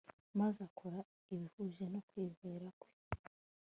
maze akora ibihuje no kwizera kwe